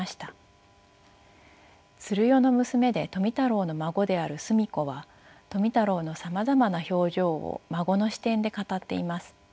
鶴代の娘で富太郎の孫である澄子は富太郎のさまざまな表情を孫の視点で語っています。